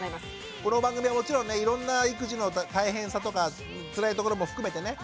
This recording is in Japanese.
この番組はもちろんねいろんな育児の大変さとかつらいところも含めてね